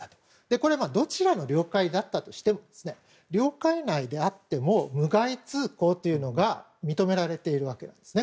これはどちらの領海だったとしても領海内であっても無害通航というのが認められているわけですね